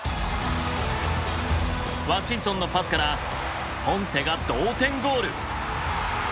ワシントンのパスからポンテが同点ゴール。